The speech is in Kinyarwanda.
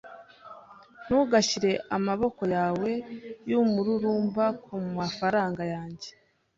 Ntugashyire amaboko yawe yumururumba kumafaranga yanjye.